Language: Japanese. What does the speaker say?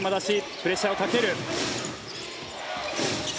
プレッシャーをかける。